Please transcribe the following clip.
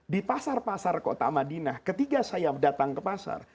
di pasar pasar kota madinah ketika saya datang ke pasar